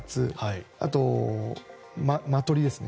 あと、麻取ですね。